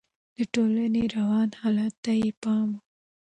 د ټولنې رواني حالت ته يې پام و.